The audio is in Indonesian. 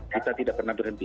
kita tidak pernah berhenti